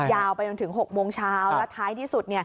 ยาวไปจนถึง๖โมงเช้าและท้ายที่สุด